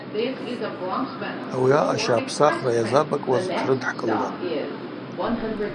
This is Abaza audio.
Ауи аъаща апсахра йазабакӏуаз тшрыдхӏкӏылуан.